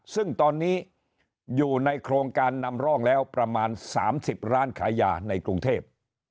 ซึ่งตอนนี้อยู่ในโครงการนำร่องแล้วประมาณ๓๐ร้านขายยาในกรุงเทพ